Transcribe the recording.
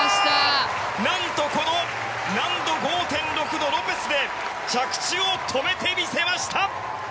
何と難度５．６のロペスで着地を止めて見せました！